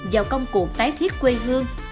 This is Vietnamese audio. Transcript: vào công cuộc tái thiết quê hương